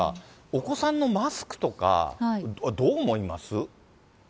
お子さんのマスクとか、どう思います？